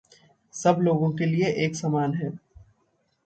सब लोगों के लिए एक समान है।